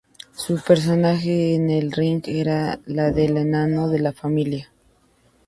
Su personaje en el ring era la del "enano" de la familia.